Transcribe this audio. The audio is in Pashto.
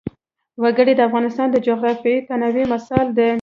وګړي د افغانستان د جغرافیوي تنوع مثال دی.